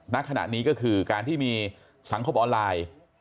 ณขณะนี้ก็คือการที่มีสังคมออนไลน์